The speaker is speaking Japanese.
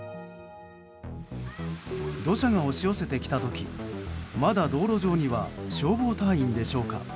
土砂が押し寄せてきた時まだ道路上には消防隊員でしょうか